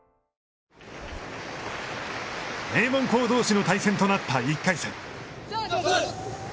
名門校どうしの対戦となった１回戦。